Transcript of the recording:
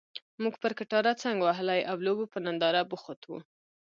موږ پر کټاره څنګ وهلي او لوبو په ننداره بوخت وو.